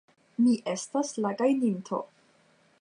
Mi estas la gajninto.